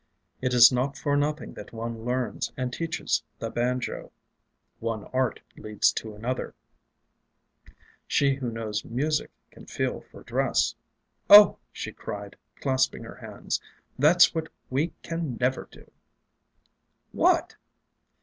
It is not for nothing that one learns and teaches the banjo; one Art leads to another; she who knows music can feel for dress. "Oh!" she cried, clasping her hands. "That's what we can never do!" "What?"